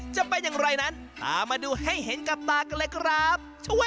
จะเป็นอย่างไรนั้นตามมาดูให้เห็นกับตากันเลยครับ